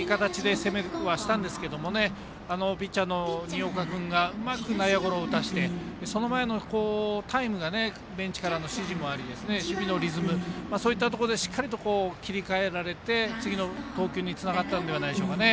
沖縄尚学はいい形で攻めはしたんですけどピッチャーの新岡君がうまく内野ゴロを打たせてその前のタイムがベンチからの指示もあり守備のリズムしっかりと切り替えられて次の投球につながったんじゃないですかね。